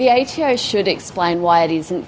ato harus menjelaskan mengapa tidak terlihat